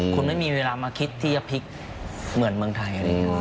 คุณไม่มีเวลามาคิดที่จะพลิกเหมือนเมืองไทย